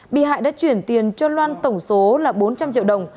bị hại đã chuyển tiền cho loan tổng số là bốn trăm linh triệu đồng